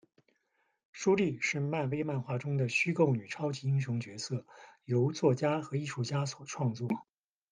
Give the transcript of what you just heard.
舒莉，是漫威漫画中的虚构女超级英雄角色，由作家和艺术家所创作。